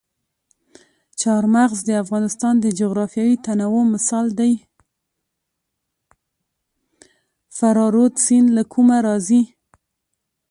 فراه رود سیند له کومه راځي؟